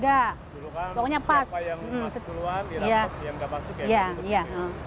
dulu kan siapa yang masuk duluan yang nggak masuk ya kita beli dulu